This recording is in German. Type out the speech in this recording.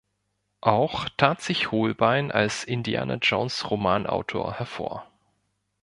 Auch tat sich Hohlbein als Indiana-Jones-Romanautor hervor.